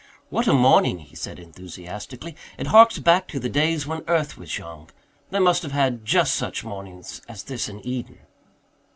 "What a morning!" he said enthusiastically. "It harks back to the days when earth was young. They must have had just such mornings as this in Eden."